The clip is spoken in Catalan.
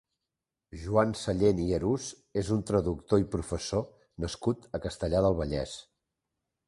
Joan Sellent i Arús és un traductor i professor nascut a Castellar del Vallès.